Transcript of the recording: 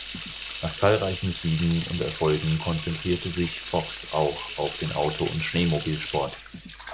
Nach zahlreichen Siegen und Erfolgen konzentrierte sich Fox auch auf den Auto- und Schneemobil-Sport.